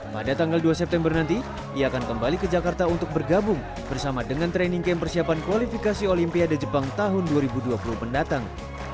pada tanggal dua september nanti ia akan kembali ke jakarta untuk bergabung bersama dengan training camp persiapan kualifikasi olimpiade jepang tahun dua ribu dua puluh mendatang